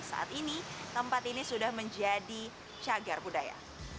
saat ini tempat ini sudah menjadi cagar budaya